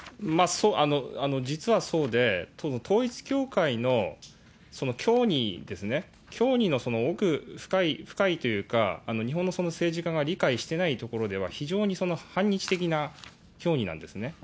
実はそうで、統一教会の教義ですね、教義のその奥深い、深いというか、日本の政治家が理解していないところでは、非常に反日的な教義なんですね。